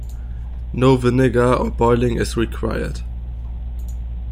No vinegar or boiling is required.